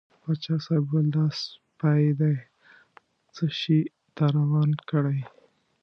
پاچا صاحب وویل دا سپی دې څه شي ته روان کړی.